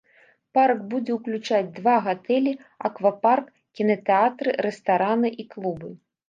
Парк будзе ўключаць два гатэлі, аквапарк, кінатэатры, рэстараны і клубы.